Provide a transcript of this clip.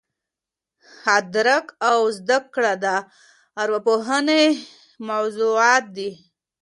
ادراک او زده کړه د ارواپوهني موضوعات دي.